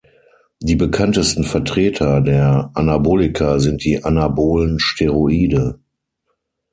Die bekanntesten Vertreter der Anabolika sind die anabolen Steroide.